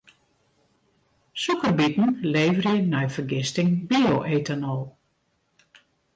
Sûkerbiten leverje nei fergisting bio-etanol.